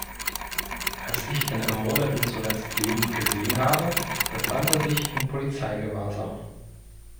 Als ich den Ermordeten zuletzt lebend gesehen habe, befand er sich in Polizeigewahrsam.